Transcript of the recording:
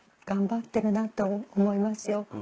頑張ってるなと思いますよ。